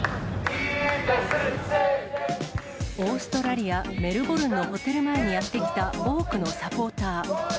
オーストラリア・メルボルンのホテル前にやって来た多くのサポーター。